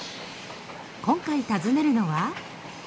今回訪ねるのは。